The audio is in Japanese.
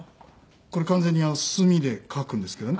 これ完全に墨で描くんですけどね。